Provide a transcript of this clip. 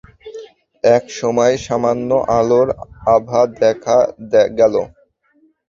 এক সময় সামান্য আলোর আভা দেখা গেল।